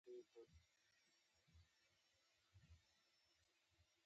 د سرو زرو او سپینو زرو کانونه مادي شرایط دي.